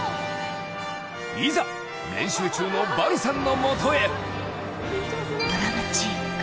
いざ練習中のバルさんのもとへ！